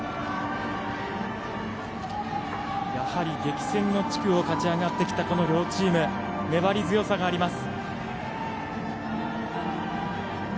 やはり激戦の地区を勝ち上がってきたこの両チーム粘り強さがあります。